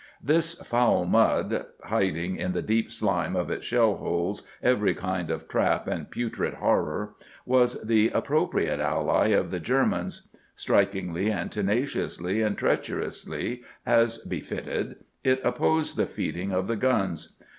This foul mud, hiding in the deep slime of its shell holes every kind of trap and putrid horror, was the appropriate ally of the Germans. Stinkingly and tenaciously and treacherously, as befitted, it opposed the feeding of the guns.